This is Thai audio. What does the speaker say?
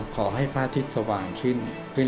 พระอาทิตย์สว่างขึ้น